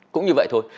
cũng như vậy thôi